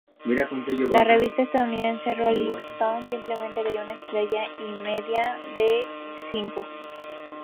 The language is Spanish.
La revista estadounidense "Rolling Stone" simplemente le dio una estrella y media de cinco.